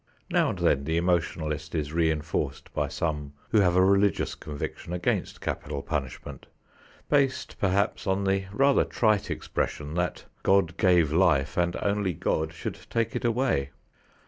Now and then the emotionalist is reinforced by some who have a religious conviction against capital punishment, based perhaps on the rather trite expression that "God gave life and only God should take it away."